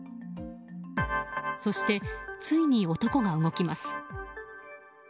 そして、ついに男が動きます。